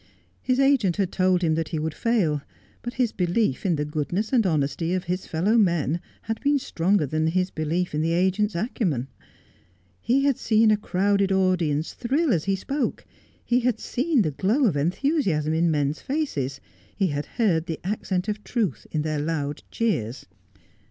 His agent had told him that he would fail ; but his belief in the goodness and honesty of his fellow men had been stronger than his belief in the agent's acumen. He had seen a crowded audience thrill as he spoke ; he had seen the glow of enthusiasm in men's faces ; he had heard the accent of truth in their loud cheers.